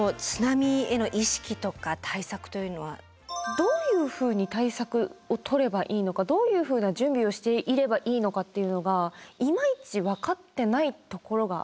どういうふうに対策をとればいいのかどういうふうな準備をしていればいいのかっていうのがいまいち分かってないところがありますね。